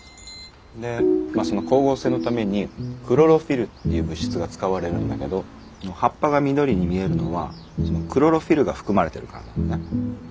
でその光合成のためにクロロフィルっていう物質が使われるんだけど葉っぱが緑に見えるのはそのクロロフィルが含まれてるからなのね。